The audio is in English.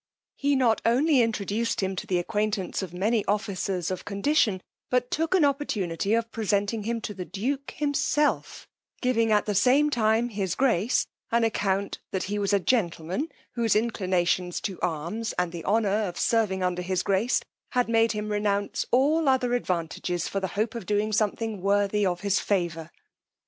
He not only introduced him to the acquaintance of many officers of condition, but took an opportunity of presenting him to the duke himself, giving at the same time his grace an account that he was a gentleman whose inclinations to arms, and the honour of serving under his grace, had made him renounce all other advantages for the hope of doing something worthy of his favour.